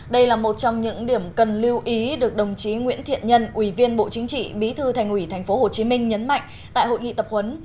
đây là một trong những điểm cần lưu ý được đồng chí nguyễn thiện nhân ủy viên bộ chính trị bí thư thành ủy tp hcm nhấn mạnh tại hội nghị tập huấn